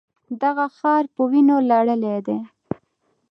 دغه ښار په وینو لړلی دی.